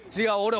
違う。